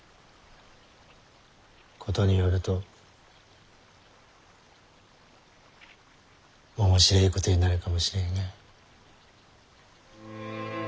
事によると面白えことになるかもしれんがや。